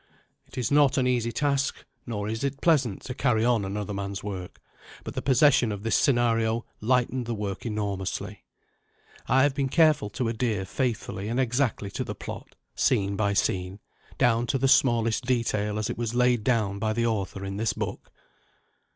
It is not an easy task, nor is it pleasant, to carry on another man's work: but the possession of this scenario lightened the work enormously. I have been careful to adhere faithfully and exactly to the plot, scene by scene, down to the smallest detail as it was laid down by the author in this book.